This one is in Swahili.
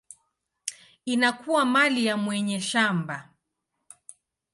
inakuwa mali ya mwenye shamba.